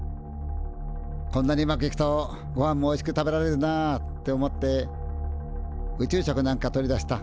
「こんなにうまくいくとごはんもおいしく食べられるなあ」って思って宇宙食なんか取り出した。